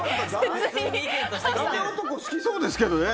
ダメ男好きそうですけどね。